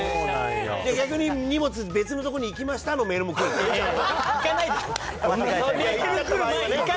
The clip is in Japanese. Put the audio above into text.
逆に荷物別の所に行きましたのメールも来るんですか。